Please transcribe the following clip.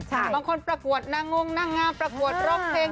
บางคนปรากฎน่าง่วงน่าง่ับปรากฎรอบเพลง